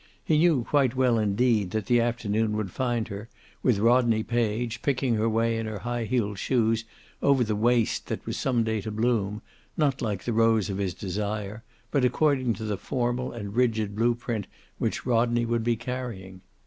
He knew quite well, indeed, that the afternoon would find her, with Rodney Page, picking her way in her high heeled shoes over the waste that was some day to bloom, not like the rose of his desire but according to the formal and rigid blueprint which Rodney would be carrying.